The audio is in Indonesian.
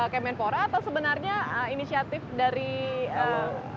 kemenfora atau sebenarnya inisiatif dari instasi